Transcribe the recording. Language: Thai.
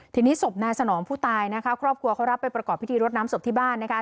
ทีนี้ศพนายสนองผู้ตายนะคะครอบครัวเขารับไปประกอบพิธีรดน้ำศพที่บ้านนะคะ